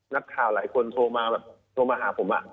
นักข่าวหลายคนโทรมาแบบโทรมาหาผม